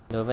đối với em